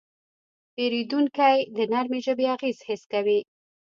پیرودونکی د نرمې ژبې اغېز حس کوي.